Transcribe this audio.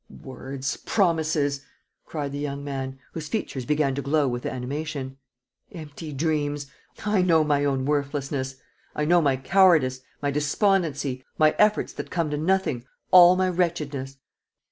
"Words, promises!" cried the young man, whose features began to glow with animation. "Empty dreams! I know my own worthlessness! I know my cowardice, my despondency, my efforts that come to nothing, all my wretchedness.